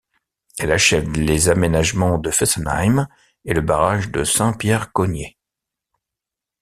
Elle achève les aménagements de Fessenheim et le barrage de Saint-Pierre-Cognet.